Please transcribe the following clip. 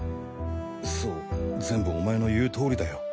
そう全部お前の言う通りだよ。